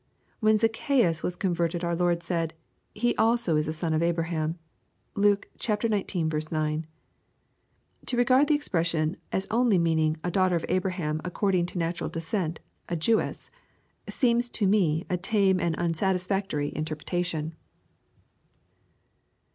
When Zacchseus was conve \ed our Lord said, " He also is a son of Abraham." (Luke xii.. 9.) To regard the expression as only meaning a " dfkughter of Abra ham according to natural descent, a .Tewesa>" teems to me a tame and unsatisfactory interpretation.